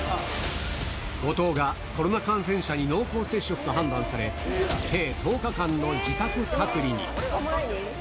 後藤がコロナ感染者に濃厚接触と判断され、計１０日間の自宅隔離に。